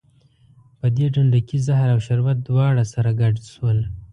په دې ډنډه کې زهر او شربت دواړه سره ګډ شول.